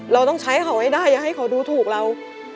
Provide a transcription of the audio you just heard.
เราต้องใช้เขาให้ได้อย่าให้เขาดูถูกเรา